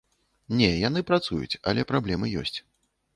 Не, яны працуюць, але праблемы ёсць.